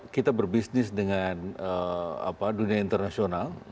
kita berbisnis dengan dunia internasional